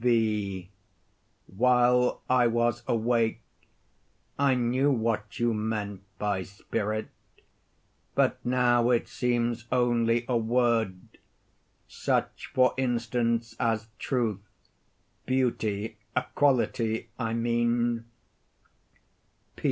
V. While I was awake I knew what you meant by "spirit," but now it seems only a word—such, for instance, as truth, beauty—a quality, I mean.